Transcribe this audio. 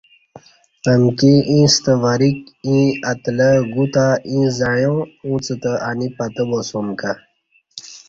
امکی ییݩستہ وریک ایں اتلہ گوتہ ایں زعیاں اُݩڅ تہ انی پتہ باسوم کہ